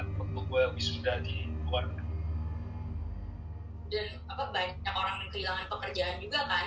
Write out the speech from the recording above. dan banyak orang yang kehilangan pekerjaan juga kan